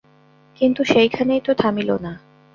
কিন্তু সেইখানেই তো থামিল না।